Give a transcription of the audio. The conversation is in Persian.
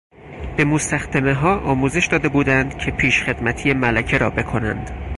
به مستخدمهها آموزش داده بودند که پیشخدمتی ملکه را بکنند.